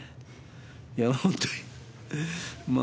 いや本当にまあ